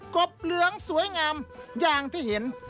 บบเหลืองสวยงามอย่างที่เห็น